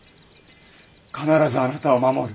必ずあなたを守る。